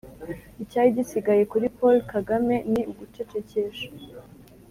icyari gisigaye kuri paul kagame ni ugucecekesha